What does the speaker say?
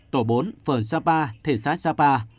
tổ bốn phường sapa thị xã sapa